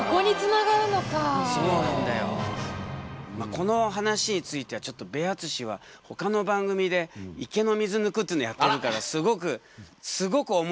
この話についてはちょっとベアツシはほかの番組で池の水抜くっていうのやってるからすごくすごく思いがあるんだな。